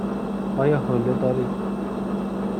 آیا حوله دارد؟